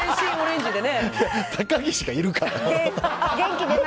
高岸がいるから。